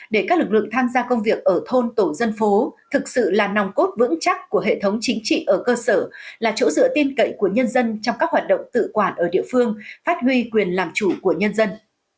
để các lực lượng tham gia công việc ở thôn tổ dân phố thực sự là nòng cốt vững chắc của hệ thống chính trị ở cơ sở là chỗ dựa tin cậy của nhân dân trong các hoạt động tự quản ở địa phương phát huy quyền làm chủ của nhân dân